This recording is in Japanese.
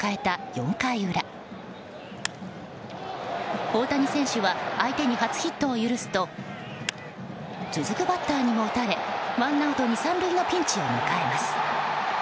４回裏大谷選手は相手に初ヒットを許すと続くバッターにも打たれワンアウト２、３塁のピンチを迎えます。